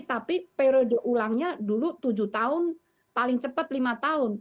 tapi periode ulangnya dulu tujuh tahun paling cepat lima tahun